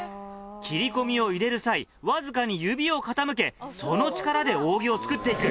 切り込みを入れる際わずかに指を傾けその力で扇を作って行く。